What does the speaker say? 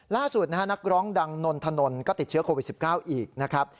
ล่าสุดนะฮะนักร้องดังนนทนนท์ก็ติดเชื้อโควิด๑๙อีกนะครับ